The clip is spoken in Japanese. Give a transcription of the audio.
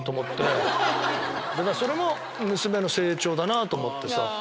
それも娘の成長だなと思ってさ。